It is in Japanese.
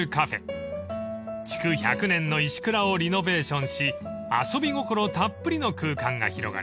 ［築１００年の石蔵をリノベーションし遊び心たっぷりの空間が広がります］